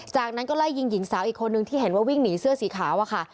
จากนั้นก็ไล่ยิงหญิงสาวอีกคนนึงที่เห็นว่าวิ่งหนีเสื้อสีขาวอะค่ะ